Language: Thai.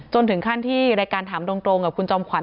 ถึงขั้นที่รายการถามตรงกับคุณจอมขวั